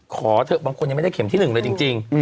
ขอเถอะบางคนยังไม่ได้เข็มที่๑เลยจริง